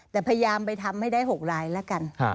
แต่พยายามไปทำให้ได้๖รายแล้วกัน